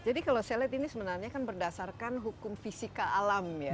jadi kalau saya lihat ini sebenarnya kan berdasarkan hukum fisika alam ya